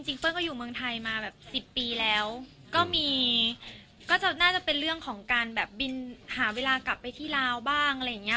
เปิ้ลก็อยู่เมืองไทยมาแบบสิบปีแล้วก็มีก็จะน่าจะเป็นเรื่องของการแบบบินหาเวลากลับไปที่ลาวบ้างอะไรอย่างเงี้